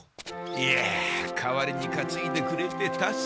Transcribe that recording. いや代わりにかついでくれて助かる。